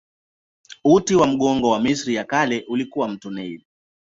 Uti wa mgongo wa Misri ya Kale ulikuwa mto Naili.